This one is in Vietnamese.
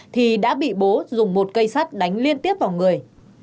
thì đã bị bố dùng một cây sắt đánh liên tiếp vào người